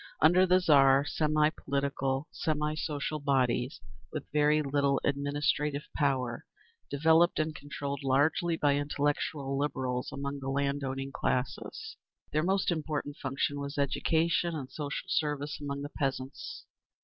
Under the Tsar semi political, semi social bodies with very little administrative power, developed and controlled largely by intellectual Liberals among the land owning classes. Their most important function was education and social service among the peasants.